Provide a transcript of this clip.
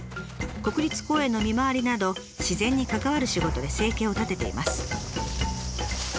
国立公園の見回りなど自然に関わる仕事で生計を立てています。